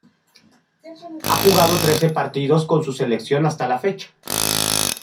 Ha jugado trece partidos con su selección hasta la fecha.